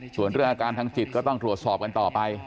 ส่วนเรื่องอาการทางจิตก็ต้องตรวจสอบกันต่อไป